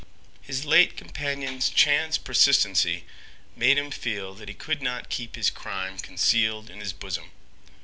His late companion's chance persistency made him feel that he could not keep his crime concealed in his bosom.